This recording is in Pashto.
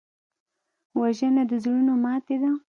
وژنه د زړونو ماتې ده